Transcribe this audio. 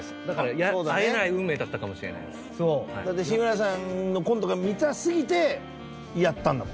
だって志村さんのコントが見たすぎてやったんだもんね。